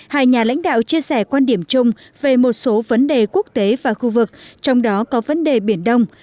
hai nhà lãnh đạo chia sẻ quan điểm chung về một số vấn đề quốc tế và khu vực trong đó có vấn đề biển đông